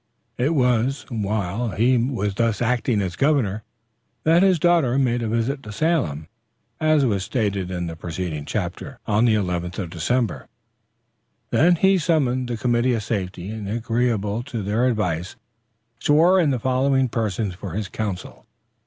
It was while he was thus acting as governor that his daughter made a visit to Salem as was stated in the preceding chapter. On the 11th of December, he summoned the committee of safety and, agreeably to their advice, swore in the following persons for his council.